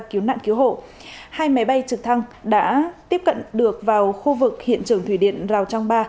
cứu nạn cứu hộ hai máy bay trực thăng đã tiếp cận được vào khu vực hiện trường thủy điện rào trang ba